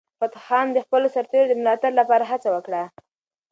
فتح خان د خپلو سرتیرو د ملاتړ لپاره هڅه وکړه.